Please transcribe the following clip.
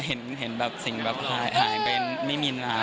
เห็นสิ่งแบบหายไปไม่มีนาน